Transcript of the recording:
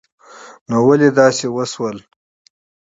نو ولی داسی وشول